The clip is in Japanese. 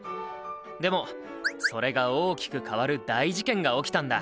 でもそれが大きく変わる大事件が起きたんだ！